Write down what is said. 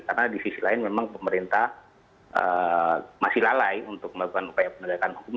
karena di sisi lain memang pemerintah masih lalai untuk melakukan upaya penegakan hukum